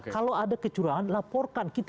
kalau ada kecurangan laporkan